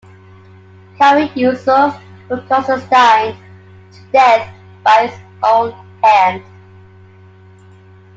Kara Yusuf put Constantine to death by his own hand.